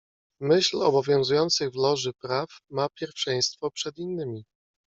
"W myśl obowiązujących w Loży praw ma pierwszeństwo przed innymi."